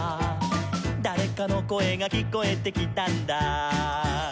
「だれかのこえがきこえてきたんだ」